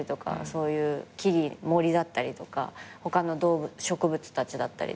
そういう木々森だったりとか他の動植物たちだったり。